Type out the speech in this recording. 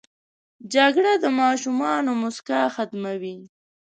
جګړه د ماشومانو موسکا ختموي